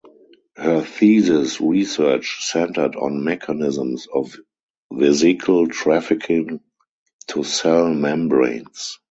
Her thesis research centered on mechanisms of vesicle trafficking to cell membranes.